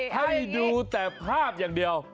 ให้ดูแต่ภาพอย่างเดียว